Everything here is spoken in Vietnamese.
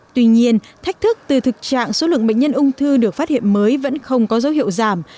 tuy nhiên thách thức từ thực trạng số lượng bệnh nhân ung thư được phát hiện mới vẫn không có dấu hiệu giảm